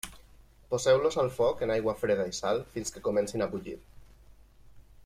Poseu-los al foc en aigua freda i sal fins que comencin a bullir.